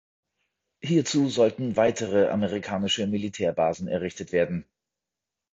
Hierzu sollten weitere amerikanische Militärbasen errichtet werden.